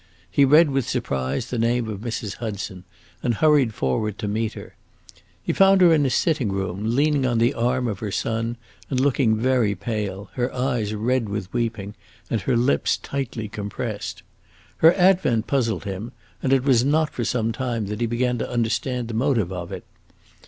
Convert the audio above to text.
He read with surprise the name of Mrs. Hudson, and hurried forward to meet her. He found her in his sitting room, leaning on the arm of her son and looking very pale, her eyes red with weeping, and her lips tightly compressed. Her advent puzzled him, and it was not for some time that he began to understand the motive of it.